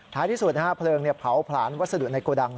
ที่สุดเพลิงเผาผลาญวัสดุในโกดัง